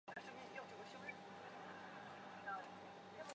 恶性转化和转移能力的过程。